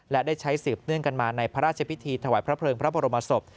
และได้ใช้สืบเนื่องกันมาในพระราชพิธีถวายพระเพลิงพระบรมศพ